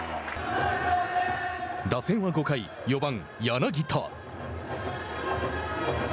打線は５回、４番柳田。